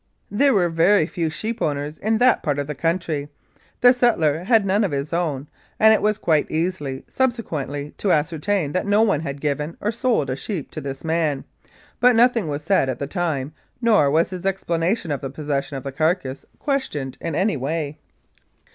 There were very few sheep owners in that part of the country ; the settler had none of his own, and it was quite easy subsequently to ascertain that no one had given or sold a sheep to this man, but nothing was said at the time nor was his explanation of the possession of the carcass questioned in any way.